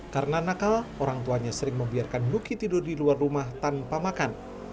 karena nakal orang tuanya sering membiarkan luki tidur di luar rumah tanpa makan